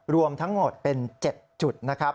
รวมทั้งหมดเป็น๗จุดนะครับ